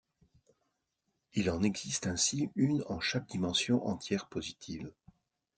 Il en existe ainsi une en chaque dimension entière positive.